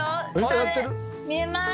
見えます！